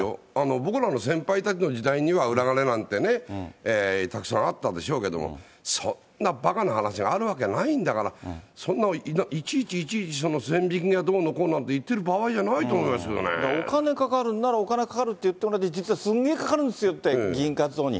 僕らの先輩たちの時代、裏金なんてね、たくさんあったんでしょうけれども、そんなばかな話があるわけないんだから、そんないちいちいちいち、線引きがどうだって言ってる場合じゃなお金かかるんなら、お金かかるって言ってもらって、実はすんげえかかるんですよって、議員活動に。